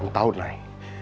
delapan tahun nay